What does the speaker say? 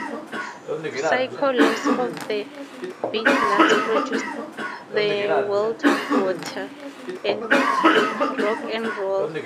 Psycho Les of The Beatnuts produced "New World Water" and "Rock N Roll".